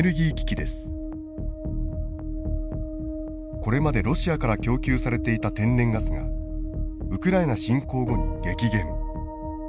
これまでロシアから供給されていた天然ガスがウクライナ侵攻後に激減。